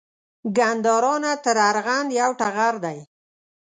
ګندارا نه تر ارغند یو ټغر دی